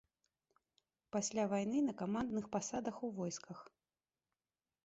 Пасля вайны на камандных пасадах у войсках.